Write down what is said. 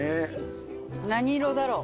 何色だろう